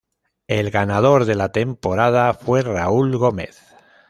El ganador de la temporada fue Raúl Gómez.